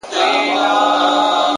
د هدف وضاحت د ذهن لارې صفا کوي.